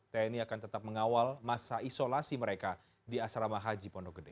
tni akan tetap mengawal masa isolasi mereka di asrama haji pondok gede